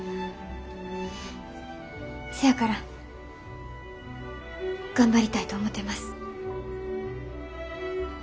せやから頑張りたいと思てます。